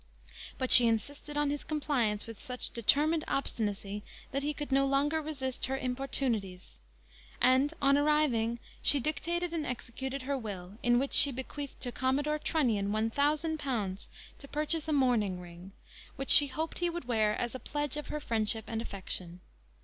But she insisted on his compliance with such determined obstinacy, that he could no longer resist her importunities; and, a arriving, she dictated and executed her will, in which she bequeathed to Commodore Trunnion one thousand pounds, to purchase a mourning ring, which she hoped he would wear as a pledge of her friendship and affection.